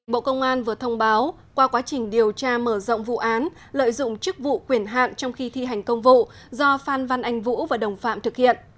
bộ công an vừa thông báo qua quá trình điều tra mở rộng vụ án lợi dụng chức vụ quyền hạn trong khi thi hành công vụ do phan văn anh vũ và đồng phạm thực hiện